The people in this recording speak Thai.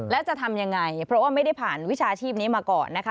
แล้วจะทำยังไงเพราะว่าไม่ได้ผ่านวิชาชีพนี้มาก่อนนะคะ